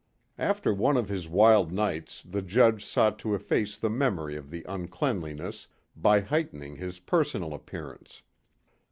After one of his wild nights the judge sought to efface the memory of the uncleanliness by heightening his personal appearance.